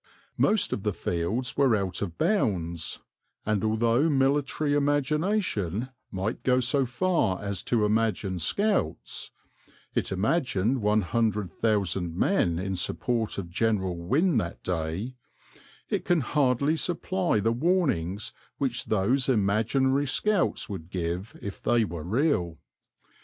Most of the fields were out of bounds, and although military imagination might go so far as to imagine scouts it imagined one hundred thousand men in support of General Wynne that day it can hardly supply the warnings which those imaginary scouts would give if they were real.